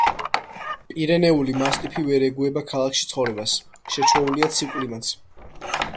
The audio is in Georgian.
პირენეული მასტიფი ვერ ეგუება ქალაქში ცხოვრებას, შეჩვეულია ცივ კლიმატს.